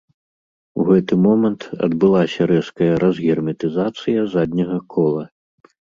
У гэты момант адбылася рэзкая разгерметызацыя задняга кола.